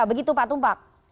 begitu pak tubak